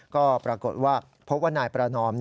ก็ปรากฏว่าพบว่านายประนอม